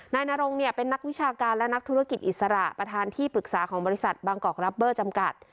นายนรงเนี่ยเป็นนักวิชาการและนักธุรกิจอิสระประธานที่ปรึกษาของบริษัทบางกอกรับเบอร์จำกัด